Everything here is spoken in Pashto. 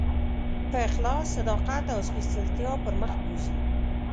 په اخلاص، صداقت او سپېڅلتیا پر مخ بوځي.